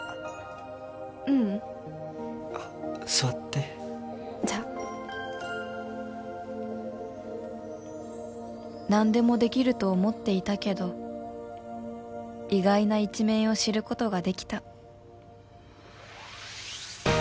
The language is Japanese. ううん座ってじゃあ何でもできると思っていたけど意外な一面を知ることができた